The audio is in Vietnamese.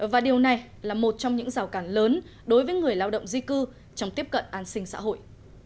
và điều này là một trong những rào cản lớn đối với người lao động di cư trong tiếp cận an sinh xã hội